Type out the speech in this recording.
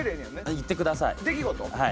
言ってください。